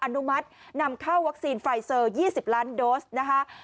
อนุมัตินำเข้าวัคซีนไฟเซอร์๒๐ล้านโดสนะคะ